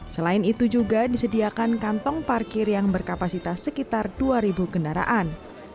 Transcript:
selain itu juga disediakan kantong parkir yang berkapasitas sekitar dua kendaraan